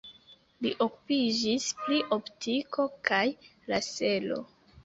Li okupiĝis pri optiko kaj lasero.